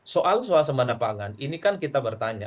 soal soal semanapangan ini kan kita bertanya